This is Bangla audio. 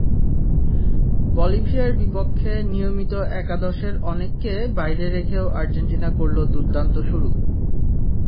বলিভিয়ার বিপক্ষে নিয়মিত একাদশের অনেককে বাইরে রেখেও আর্জেন্টিনা করল দুর্দান্ত শুরু।